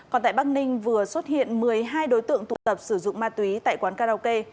còn tại bắc ninh vừa xuất hiện một mươi hai đối tượng tụ tập sử dụng ma túy tại quán karaoke